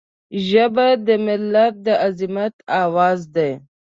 ژبه د ملت د عظمت آواز دی